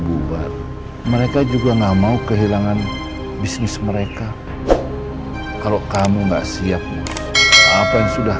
bubar mereka juga nggak mau kehilangan bisnis mereka kalau kamu enggak siap apa yang sudah